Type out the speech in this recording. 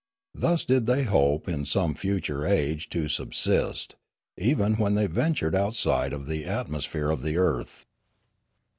Thus did they hope in some future age to subsist, even when they ventured outside of the atmosphere of the earth.